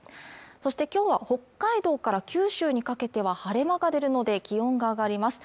そして今日は北海道から九州にかけては晴れ間が出るので気温が上がります